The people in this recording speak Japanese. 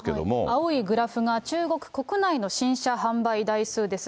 青いグラフが中国国内の新車販売台数です。